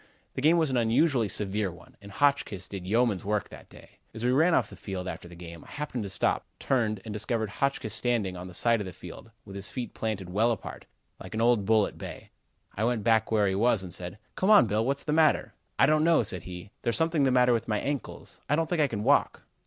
The game was an unusually severe one, and Hotchkiss did yeoman's work that day. "As we ran off the field, after the game, I happened to stop, turned, and discovered Hotchkiss standing on the side of the field, with his feet planted well apart, like an old bull at bay. I went back where he was and said: "'Come on, Bill, what's the matter?' "'I don't know,' said he. 'There's something the matter with my ankles. I don't think I can walk.'